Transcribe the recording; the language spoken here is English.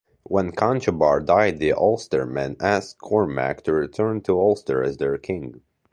When Conchobar died the Ulstermen asked Cormac to return to Ulster as their king.